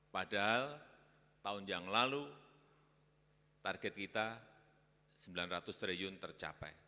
padahal tahun yang lalu target kita rp sembilan ratus triliun tercapai